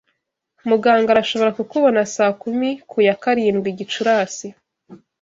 Muganga arashobora kukubona saa kumi ku ya karindwi Gicurasi.